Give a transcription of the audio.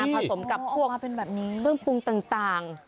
ผสมกับพวกเครื่องปรุงต่าง